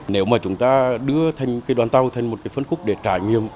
nếu mà chúng ta đưa thành cái đoàn tàu thành một cái phân khúc để trải nghiệm